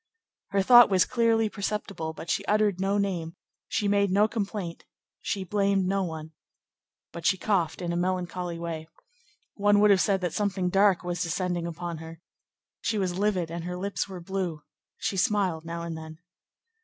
Her thought was clearly perceptible, but she uttered no name, she made no complaint, she blamed no one. But she coughed in a melancholy way. One would have said that something dark was descending upon her. She was livid and her lips were blue. She smiled now and then.